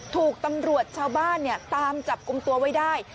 ถูกตำรวจชาวบ้านตามจับกลุ่มตัวไว้ได้